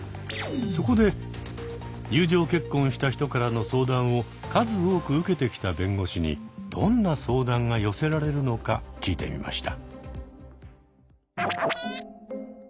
そこで友情結婚した人からの相談を数多く受けてきた弁護士にどんな相談が寄せられるのか聞いてみました。